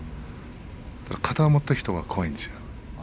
型を持っている人は怖いんですよ。